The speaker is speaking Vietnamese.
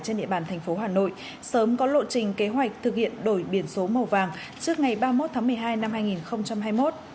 trên địa bàn thành phố hà nội sớm có lộ trình kế hoạch thực hiện đổi biển số màu vàng trước ngày ba mươi một tháng một mươi hai năm hai nghìn hai mươi một